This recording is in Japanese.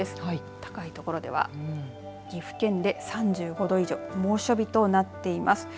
高いところでは岐阜県で３５度以上猛暑日となっています。